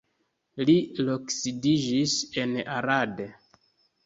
Li loksidiĝis en Arad.